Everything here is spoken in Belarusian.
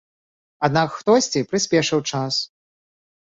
Аднак хтосьці прыспешыў час.